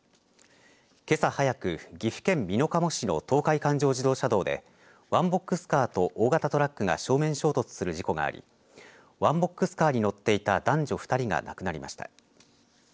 けさ早く岐阜県美濃加茂市の東海環状自動車道でワンボックスカーと大型トラックが正面衝突する事故がありワンボックスカーに乗っていた男女２人が亡くなりました。